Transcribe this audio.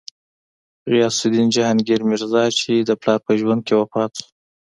غیاث الدین جهانګیر میرزا، چې د پلار په ژوند کې وفات شو.